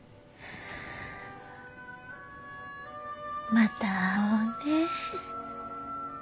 また会おうね。